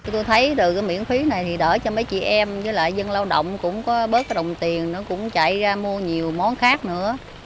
tôi thấy miễn phí này đỡ cho mấy chị em dân lao động cũng có bớt đồng tiền cũng chạy ra mua nhiều món khác nữa